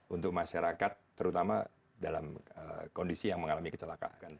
untuk masyarakat terutama dalam kondisi yang mengalami kecelakaan